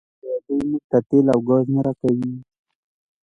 آیا دوی موږ ته تیل او ګاز نه راکوي؟